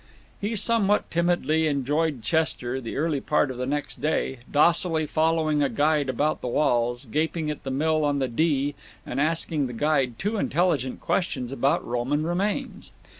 He somewhat timidly enjoyed Chester the early part of the next day, docilely following a guide about the walls, gaping at the mill on the Dee and asking the guide two intelligent questions about Roman remains.